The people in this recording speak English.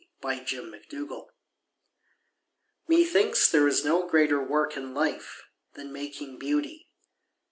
BEAUTY MAKING Methinks there is no greater work in life Than making beauty.